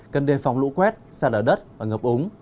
cần đề phòng lũ quét xa đỡ đất và ngập ống